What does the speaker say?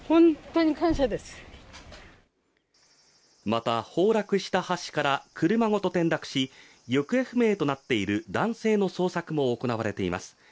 また、崩落した橋から車ごと転落し行方不明となっている男性の捜索も行われています。